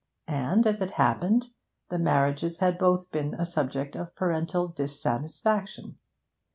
And, as it happened, the marriages had both been a subject of parental dissatisfaction.